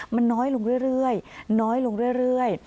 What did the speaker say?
มันน้อยลงเรื่อยเรื่อยน้อยลงเรื่อยเรื่อย